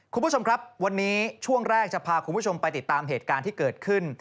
คุณผู้ชมครับวันนี้ช่วงแรกจะพาคุณผู้ชมไปติดตามเหตุการณ์ที่เกิดขึ้น